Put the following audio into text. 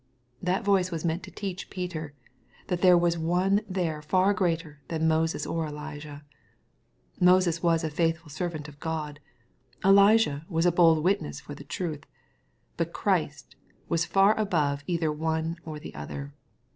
That voice was meant to teach Peter, that there was one there far greater than Moses or Elijah. Moses was a faithful servant of God. Elijah was a bold witness for the truth. But Christ was far above either one or the other.